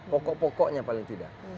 pokok pokoknya paling tidak